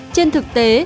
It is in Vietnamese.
trên thực tế